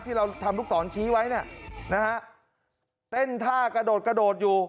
ที่เราทำลูกศรชี้ไว้เนี่ยนะฮะเต้นท่ากระโดดกระโดดอยู่